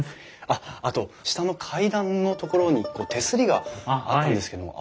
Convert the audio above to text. あっあと下の階段のところに手すりがあったんですけども。